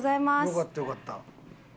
よかったよかった。